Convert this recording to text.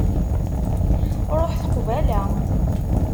Ruḥet qbala.